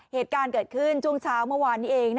เหตุการณ์เกิดขึ้นช่วงเช้าเมื่อวานนี้เอง